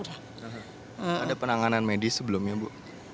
ada penanganan medis sebelumnya bu